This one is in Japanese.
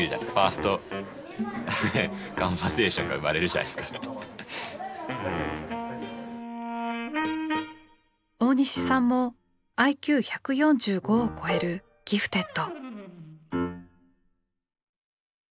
なんかあの大西さんもＩＱ１４５を超えるギフテッド。